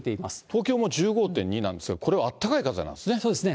東京も１５．２なんですが、これはあったかい風なんですね。